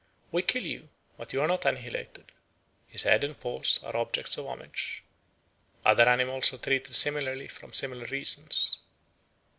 We kill you, but you are not annihilated. His head and paws are objects of homage. ... Other animals are treated similarly from similar reasons.